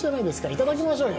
いただきましょうよ。